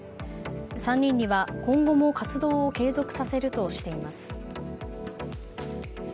３人には今後も活動を継続させるとしています。